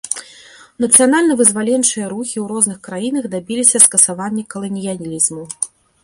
Нацыянальна-вызваленчыя рухі ў розных краінах дабіліся скасавання каланіялізму.